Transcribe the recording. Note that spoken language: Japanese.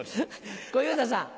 小遊三さん。